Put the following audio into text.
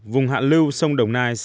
vùng hạ lưu sông đồng nai